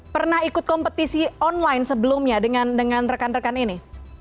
pernah ikut kompetisi online sebelumnya dengan rekan rekan ini